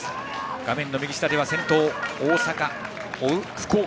画面右下では先頭の大阪追う福岡。